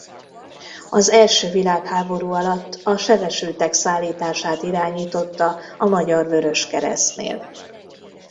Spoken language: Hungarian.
Az első világháború alatt a sebesültek szállítását irányította a Magyar Vöröskeresztnél.